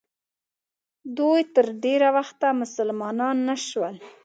دوی تر ډېره وخته مسلمانان نه شول.